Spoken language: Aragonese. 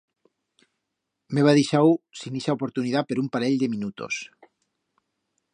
M'heba deixau sin ixa oportunidat per un parell de minutos.